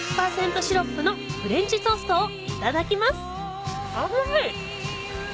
シロップのフレンチトーストをいただきます甘い！